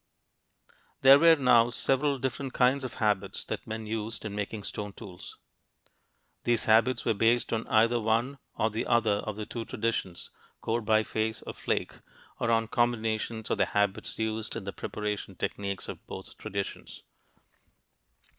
There were now several different kinds of habits that men used in making stone tools. These habits were based on either one or the other of the two traditions core biface or flake or on combinations of the habits used in the preparation techniques of both traditions.